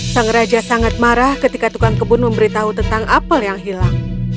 sang raja sangat marah ketika tukang kebun memberitahu tentang apel yang hilang